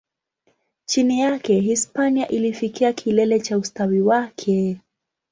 Chini yake, Hispania ilifikia kilele cha ustawi wake.